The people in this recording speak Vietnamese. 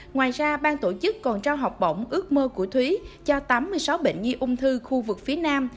ngoài ra bang tổ chức còn trao học bổng ước mơ của thúy cho tám mươi sáu bệnh nhi ung thư khu vực phía nam